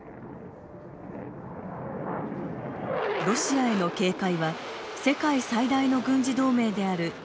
ロシアへの警戒は世界最大の軍事同盟であるＮＡＴＯ